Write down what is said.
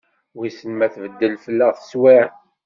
Wissen ma tbeddel fell-aɣ teswiɛt?